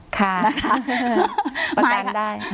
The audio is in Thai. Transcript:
ค่ะประกันได้